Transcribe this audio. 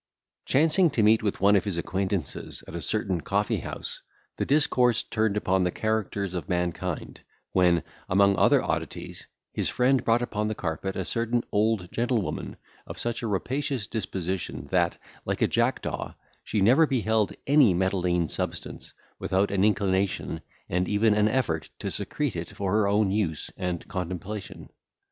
Chancing to meet with one of his acquaintance at a certain coffee house, the discourse turned upon the characters of mankind, when, among other oddities, his friend brought upon the carpet a certain old gentlewoman of such a rapacious disposition, that, like a jackdaw, she never beheld any metalline substance, without an inclination, and even an effort to secrete it for her own use and contemplation.